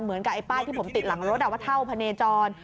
เหมือนกับไอ้ป้ายที่ผมติดหลังรถเราว่าเท่าพาเนจร